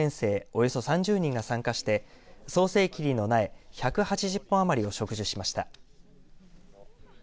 およそ３０人が参加して早生桐の苗１８０本を余りを植樹しました。